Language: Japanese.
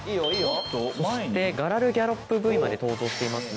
そしてガラルギャロップＶまで登場していますね。